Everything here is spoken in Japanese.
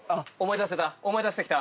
思い出せた？